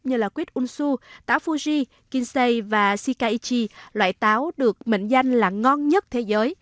như là quýt unsu táo fuji kinsei và shikaiji loại táo được mệnh danh là ngon nhất thế giới